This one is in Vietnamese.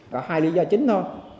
có hai lý do chính thôi